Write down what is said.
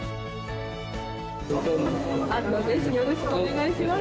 よろしくお願いします。